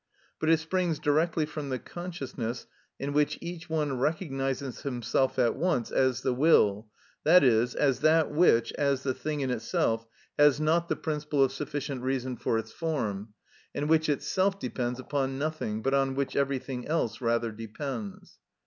But it springs directly from the consciousness in which each one recognises himself at once as the will, i.e., as that which, as the thing in itself, has not the principle of sufficient reason for its form, and which itself depends upon nothing, but on which everything else rather depends.